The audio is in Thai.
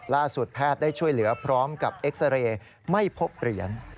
แพทย์ได้ช่วยเหลือพร้อมกับเอ็กซาเรย์ไม่พบเหรียญ